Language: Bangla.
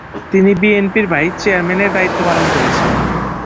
তিনি বিএনপির ভাইস চেয়ারম্যানের দায়িত্ব পালন করছেন।